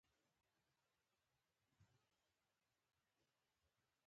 کله کله خو به یې د ملا پګړۍ په نامه غږ هم پرې کولو.